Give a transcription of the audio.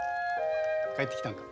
帰ってきたんか。